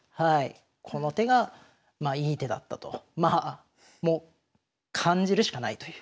この手がいい手だったともう感じるしかないという。